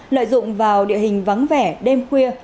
lợi dụng vào địa hình vắng vẻ đêm khuya